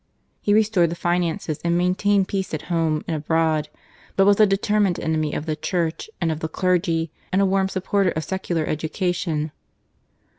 He restored the finances and maintained peace at home and abroad, but was a determined enemy of the Church and of the clergy and a warm supporter of secular education.